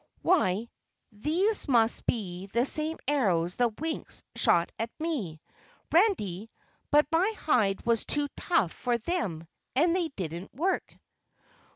Why, these must be the same arrows the Winks shot at me, Randy, but my hide was too tough for them and they didn't work."